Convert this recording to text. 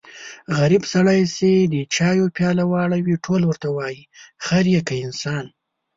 غریب سړی چې د چایو پیاله واړوي ټول ورته وایي خر يې که انسان.